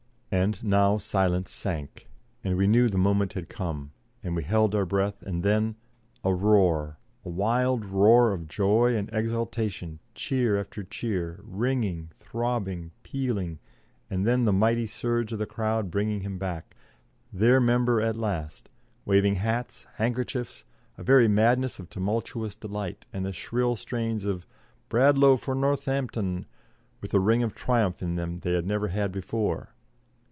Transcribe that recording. And now silence sank, and we knew the moment had come, and we held our breath, and then a roar, a wild roar of joy and exultation, cheer after cheer, ringing, throbbing, pealing, and then the mighty surge of the crowd bringing him back, their member at last, waving hats, handkerchiefs, a very madness of tumultuous delight, and the shrill strains of "Bradlaugh for Northampton!" with a ring of triumph in them they had never had before.